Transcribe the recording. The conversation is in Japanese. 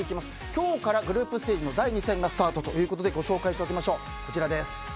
今日からグループステージの第２戦がスタートということでご紹介しましょう。